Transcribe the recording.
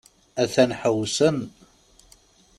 A-t-an ḥewsen.